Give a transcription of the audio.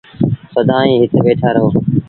سدائيٚݩ هت ويٚٺآ رهون ۔